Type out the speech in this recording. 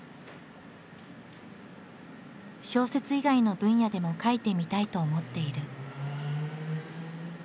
小説以外の分野でも書いてみたいと思っている。